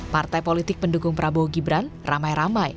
partai politik pendukung prabowo gibran ramai ramai